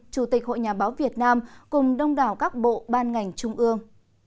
chủ tịch hội nhà báo việt nam cùng đông đảo các bộ ban ngành trung ương